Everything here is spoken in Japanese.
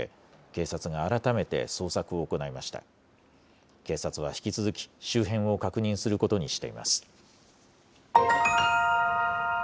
警察は引き続き、周辺を確認することにしています。